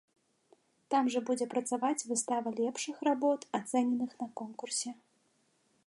Там жа будзе працаваць выстава лепшых работ, ацэненых на конкурсе.